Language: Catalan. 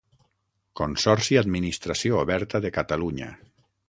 Consorci Administració Oberta de Catalunya.